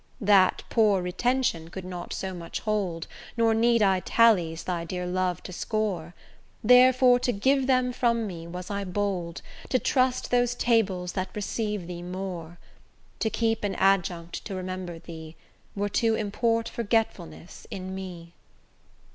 That poor retention could not so much hold, Nor need I tallies thy dear love to score; Therefore to give them from me was I bold, To trust those tables that receive thee more: To keep an adjunct to remember thee Were to import forgetfulness in me.